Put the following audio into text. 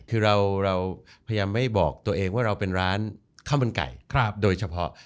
คือเราพยายามไม่บอกตัวเองว่าเราเป็นร้านข้าวมันไก่โดยเฉพาะ